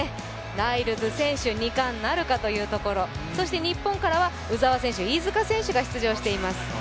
ライルズ選手、２冠なるかというところ、そして日本からは鵜澤選手、飯塚選手が登場してきます。